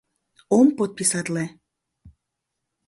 — Ом подписатле.